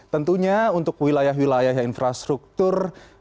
tentunya untuk wilayah wilayah infrastruktur